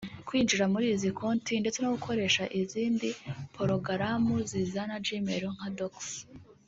Kwinjira muri izi konti ndetse no gukoresha izindi porogaramu zizana na Gmail nka Docs